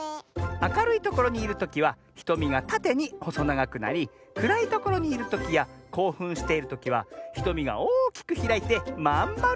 あかるいところにいるときはひとみがたてにほそながくなりくらいところにいるときやこうふんしているときはひとみがおおきくひらいてまんまるになるのミズ！